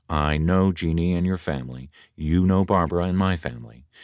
I know Jeanne and your family, you know Barbara and my family.